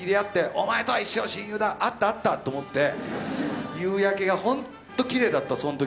「お前とは一生親友だ」あったあったと思って夕焼けがほんときれいだったその時。